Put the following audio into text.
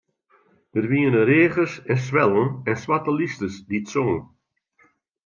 Der wiene reagers en swellen en swarte lysters dy't songen.